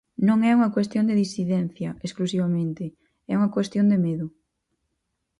Non é unha cuestión de disidencia exclusivamente, é unha cuestión de medo.